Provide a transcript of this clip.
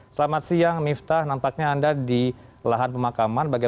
selamat siang miftah nampaknya anda di lahan pemakaman